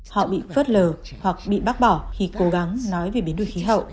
họ bị phớt lờ hoặc bị bác bỏ khi cố gắng nói về biến đổi khí hậu